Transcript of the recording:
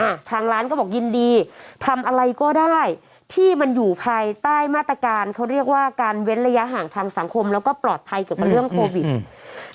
ทางร้านก็บอกยินดีทำอะไรก็ได้ที่มันอยู่ภายใต้มาตรการเขาเรียกว่าการเว้นระยะห่างทางสังคมแล้วก็ปลอดภัยเกี่ยวกับเรื่องโควิดอืม